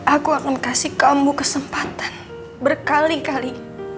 aku akan kasih kamu kesempatan berkali kali